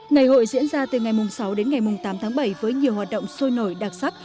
ngày hội diễn ra từ ngày sáu đến ngày tám tháng bảy với nhiều hoạt động sôi nổi đặc sắc